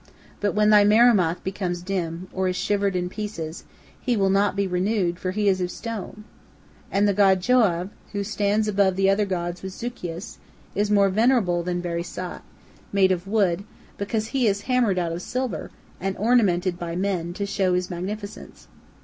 But when thy Marumath becomes dim, or is shivered in pieces, he will not be renewed, for he is of stone. And the god Joauv, who stands above the other gods with Zucheus, is more venerable than Barisat, made of wood, because he is hammered out of silver, and ornamented by men, to show his magnificence.